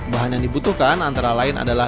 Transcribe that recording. bahan yang dibutuhkan antara lain adalah